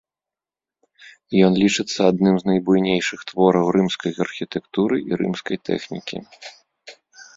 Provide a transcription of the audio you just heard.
Ён лічыцца адным з найбуйнейшых твораў рымскай архітэктуры і рымскай тэхнікі.